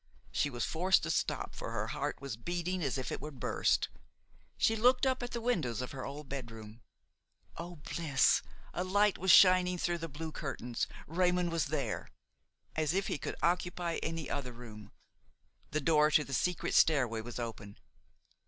She was forced to stop, for her heart was beating as if it would burst; she looked up at the windows of her old bedroom. O bliss! a light was shining through the blue curtains, Raymon was there. As if he could occupy any other room! The door to the secret stairway was open.